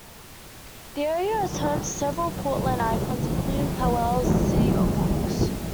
The area is home to several Portland icons, including Powell's City of Books.